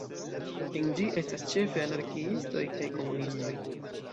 En ĝi estas ĉefe anarkiistoj kaj komunistoj.